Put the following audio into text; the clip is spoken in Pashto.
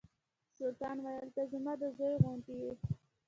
سلطان ویل ته زما د زوی غوندې یې.